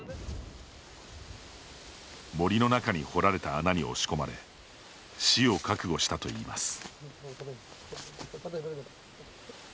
森の中に掘られた穴に押し込まれ死を覚悟したといいます。